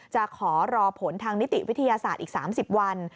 จะขอรอผลทางนิติวิทยาศาสตร์อีก๓๐วัน